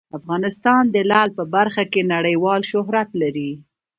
افغانستان د لعل په برخه کې نړیوال شهرت لري.